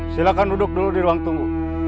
silahkan duduk dulu di ruang tunggu